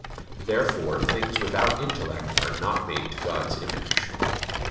Therefore things without intellect are not made to God's image.